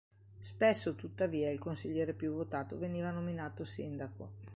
Spesso tuttavia il consigliere più votato veniva nominato sindaco.